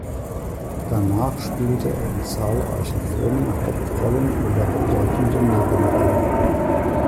Danach spielte er in zahlreichen Filmen Hauptrollen oder bedeutende Nebenrollen.